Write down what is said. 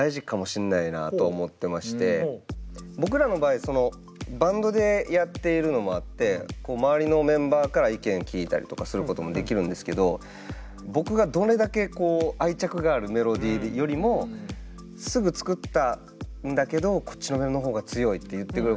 僕らの場合バンドでやっているのもあって周りのメンバーから意見聞いたりとかすることもできるんですけど僕がどれだけ愛着があるメロディーよりもすぐ作ったんだけどこっちのメロの方が強いって言ってくることもあるし。